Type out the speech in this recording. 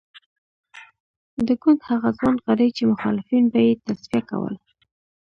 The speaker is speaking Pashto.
د ګوند هغه ځوان غړي چې مخالفین به یې تصفیه کول.